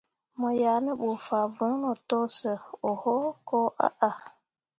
Mo yah ne bu fah voŋno to sə oho koo ahah.